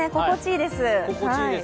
心地いいです。